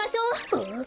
あっ。